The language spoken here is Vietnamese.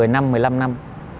một mươi năm một mươi năm năm